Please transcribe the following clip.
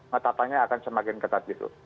ngetapannya akan semakin ketat gitu